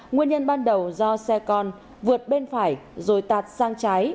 nguyên nhân ban đầu do xe con vượt bên phải rồi tạt sang trái